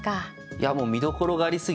いやもう見どころがありすぎて。